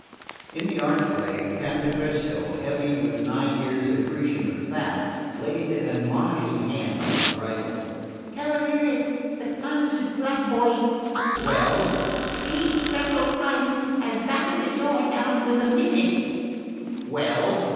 In the archway Cantapresto, heavy with a nine years' accretion of fat, laid an admonishing hand on his bridle. "Cavaliere, the Countess's black boy " "Well?" "Three several times has battered the door down with a missive." "Well?"